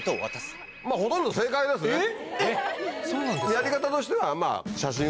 やり方としては。